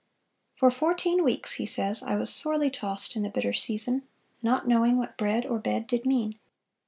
"For fourteen weeks," he says, "I was sorely tossed in a bitter season, not knowing what bread or bed did mean."